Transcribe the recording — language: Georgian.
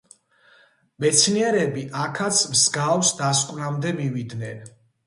მეცნიერები აქაც მსგავს დასკვნამდე მივიდნენ.